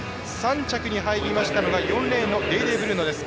３着に入りましたのが４レーンのデーデーブルーノです。